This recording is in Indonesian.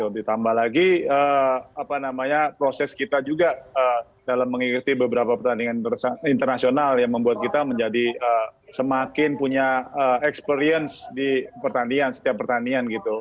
ditambah lagi proses kita juga dalam mengikuti beberapa pertandingan internasional yang membuat kita menjadi semakin punya experience di pertandingan setiap pertandingan gitu